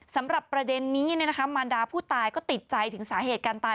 สำหรับประเด็นนี้มารดาผู้ตายก็ติดใจถึงสาเหตุการตาย